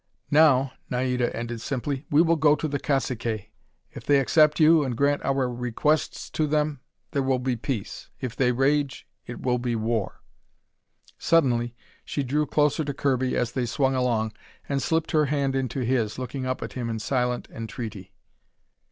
"Now," Naida ended simply, "we will go to the caciques. If they accept you, and grant our requests to them, there will be peace. If they rage, it will be war." Suddenly she drew closer to Kirby as they swung along, and slipped her hand into his, looking up at him in silent entreaty.